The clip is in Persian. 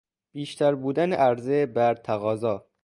بیشتر بودن عرضه بر تقاضا